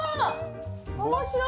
面白い！